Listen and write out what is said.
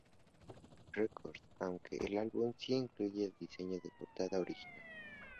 Records, aunque el álbum sí incluye el diseño de portada original.